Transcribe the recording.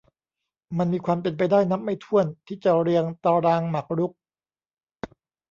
มันมีความเป็นไปได้นับไม่ถ้วนที่จะเรียงตารางหมากรุก